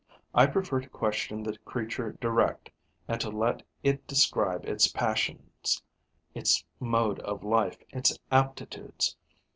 I prefer to question the creature direct and to let it describe its passions, its mode of life, its aptitudes.